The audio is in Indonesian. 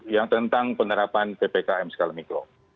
yang tentang penerapan ppkm skala mikro